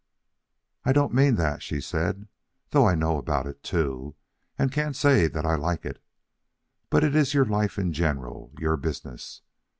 "I don't mean that," she said, "though I know about it too, and can't say that I like it. But it is your life in general, your business.